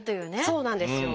そうなんですよ。